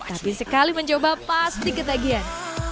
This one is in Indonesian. tapi sekali mencoba pasti ketagihan